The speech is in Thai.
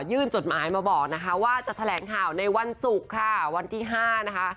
จดหมายมาบอกนะคะว่าจะแถลงข่าวในวันศุกร์ค่ะวันที่ห้านะคะ